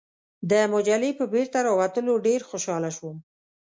د مجلې په بیرته راوتلو ډېر خوشاله شوم.